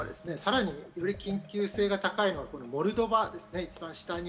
さらにより緊急性が高いのはモルドバですね。